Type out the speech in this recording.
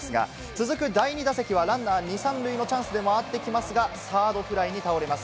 続く、第２打席はランナー２・３塁のチャンスで回ってきますが、サードフライに倒れます。